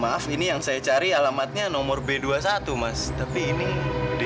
maaf ini yang saya cari alamatnya nomor b dua puluh satu mas tapi ini d dua puluh satu ya